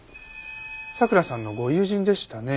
佐倉さんのご友人でしたね。